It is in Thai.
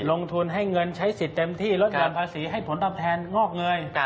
ลงทุนให้เงินใช้สิทธิ์เต็มที่ลดห่อนภาษีให้ผลตอบแทนงอกเงย